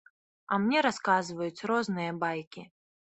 А мне расказваюць розныя байкі.